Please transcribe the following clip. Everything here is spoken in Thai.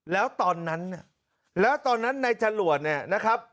แล้วตอนนั้นแล้วตอนนั้นในจังหลวดเนี่ยนะครับ